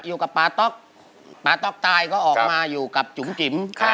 เออหัวหน้าตายหมดนะพี่เด๋อร์รอดกันได้ไง